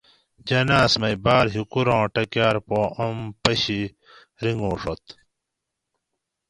جناۤز مئی باۤر ہِکوراۤں ٹکاۤر پا آم پشی رِنگوڛت